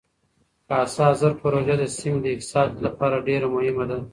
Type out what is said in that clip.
کاسا زر پروژه د سیمې د اقتصاد لپاره ډېره مهمه ده.